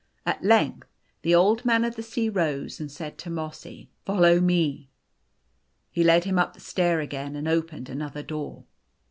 At length the Old Man of the Sea, arose and said to Mossy, " Follow me." He led him up the stair again, and opened another door.